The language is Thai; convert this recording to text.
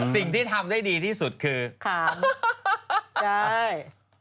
สิ่งที่ทำได้ดีที่สุดคือคำใช่